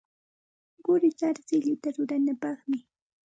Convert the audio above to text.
Quri sarsilluta ruranapaqmi.